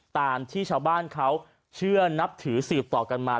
ตามที่ชาวบ้านเขาเชื่อนับถือสืบต่อกันมา